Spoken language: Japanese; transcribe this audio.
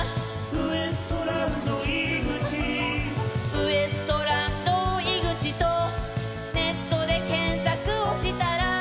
「ウエストランド井口とネットで検索をしたら」